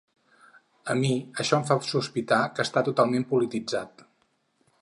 A mi això em fa sospitar que està totalment polititzat.